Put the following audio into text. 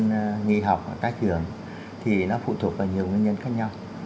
sinh viên nghỉ học ở các trường thì nó phụ thuộc vào nhiều nguyên nhân khác nhau